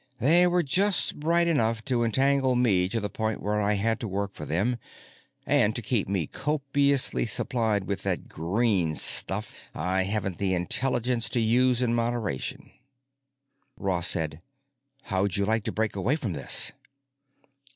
"They were just bright enough to entangle me to the point where I had to work for them—and to keep me copiously supplied with that green stuff I haven't the intelligence to use in moderation." Ross said, "How'd you like to break away from this?"